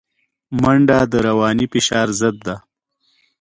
منډه د رواني فشار ضد ده